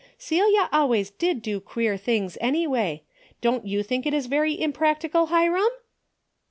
Celia always did do queer things, anyway. Don't you think it is very impractical, Hiram